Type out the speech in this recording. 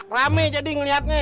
rame jadi ngeliatnya